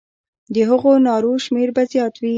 د هغو نارو شمېر به زیات وي.